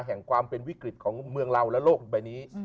แห่งความเป็นวิกฤตของเมืองเราและโลกใบนี้